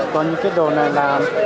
còn những cái đồ này là